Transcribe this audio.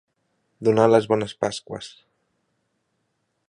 Donar les bones pasqües.